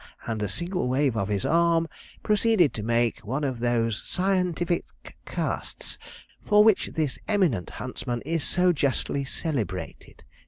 and a single wave of his arm, proceeded to make one of those scientific casts for which this eminent huntsman is so justly celebrated."